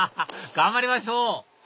頑張りましょう！